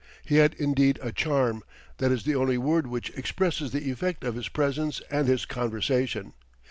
He had, indeed, "a charm" that is the only word which expresses the effect of his presence and his conversation.